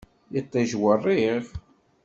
Iṭij werriɣ.